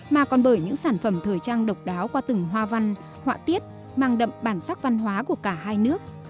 mà còn bởi những sản phẩm thời trang độc đáo qua từng hoa văn họa tiết mang đậm bản sắc văn hóa của cả hai nước